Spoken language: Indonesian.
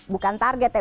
bukan target ya